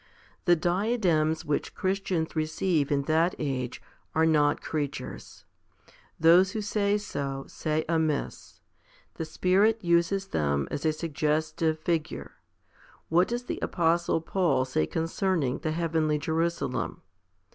The diadems which Christians receive in that age are not creatures. Those who say so, say amiss. The Spirit uses them as a suggestive figure. What does the apostle Paul say concerning the heavenly Jerusalem